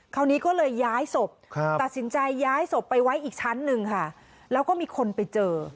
คราวนี้ก็เลยย้ายศพตัดสินใจย้ายศพไปไว้อีกชั้นหนึ่งค่ะแล้วก็มีคนไปเจอ